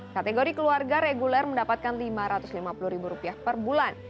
kategori keluarga reguler mendapatkan rp lima ratus lima puluh ribu rupiah per bulan